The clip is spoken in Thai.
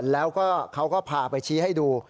แล้วก็เขาก็พาไปชี้ให้ดู